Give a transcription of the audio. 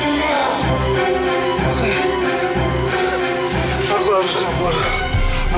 ayolah abis itu muncul mobilnya